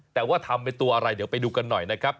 แต่ว่าทำเป็นตัวอะไรเดี๋ยวไปดูกันหน่อยนะครับ